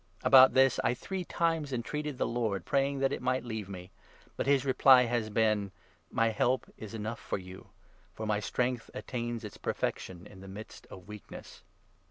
About this I three times entreated the Lord, praying 8 that it might leave me. But his reply has been —' My help is 9 enough for you ; for my strength attains its perfection in the midst of weakness.'